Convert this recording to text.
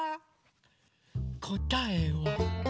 こたえは。